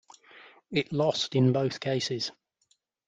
It lost in both cases.